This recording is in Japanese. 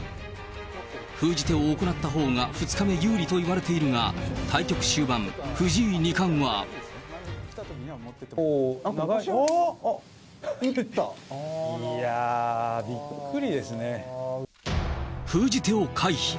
封じ手を行ったほうが２日目有利と言われているが、対局終盤、藤あー、打ってった？いやー、封じ手を回避。